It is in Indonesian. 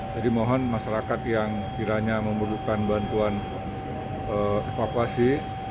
jadi mohon masyarakat yang kiranya memerlukan bantuan evakuasi